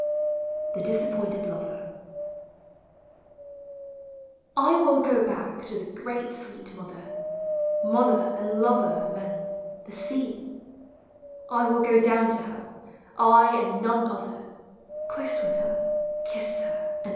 THE DISAPPOINTED LOVER. FROM "THE TRIUMPH OF TIME." I will go back to the great sweet mother — Mother and lover of men, the Sea. I will go down to her, I and none other, Close with her, kiss her, and